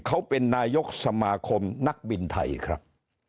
เขาเป็นนายกสมาคมนักบินไทยครับ